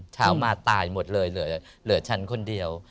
เช้ามาตายหมดเลยเหลือฉันคนเดียว